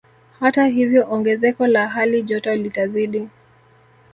Hata hivyo ongezeko la hali joto litazidi